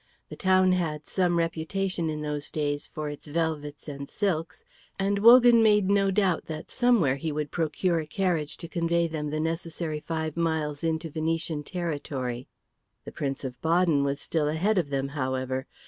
The town had some reputation in those days for its velvets and silks, and Wogan made no doubt that somewhere he would procure a carriage to convey them the necessary five miles into Venetian territory. The Prince of Baden was still ahead of them, however.